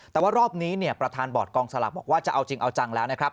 แต่ว่ารอบนี้เนี่ยประธานบอร์ดกองสลากบอกว่าจะเอาจริงเอาจังแล้วนะครับ